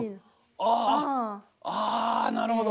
あああなるほど。